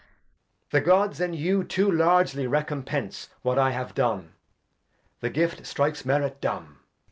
The Gods and you too largely Recompence What I have done ; the Gift strikes Merit dumb.